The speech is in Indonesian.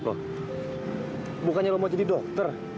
loh bukannya lo mau jadi dokter